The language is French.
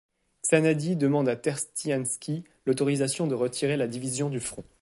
Csanády demande à Tersztyánszky l'autorisation de retirer la division du front.